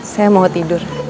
saya mau tidur